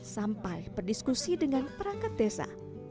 sampai berdiskusi dengan perangkat desa